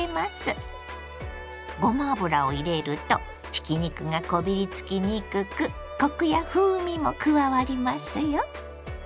ごま油を入れるとひき肉がこびりつきにくくコクや風味も加わりますよ。